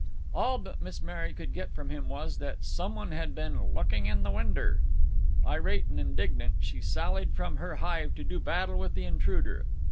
All that Miss Mary could get from him was, that someone had been "looking in the winder." Irate and indignant, she sallied from her hive to do battle with the intruder.